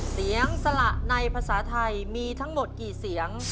สละในภาษาไทยมีทั้งหมดกี่เสียง